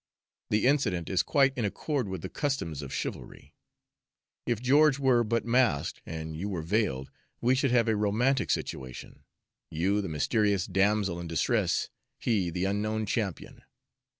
The incident is quite in accord with the customs of chivalry. If George were but masked and you were veiled, we should have a romantic situation, you the mysterious damsel in distress, he the unknown champion.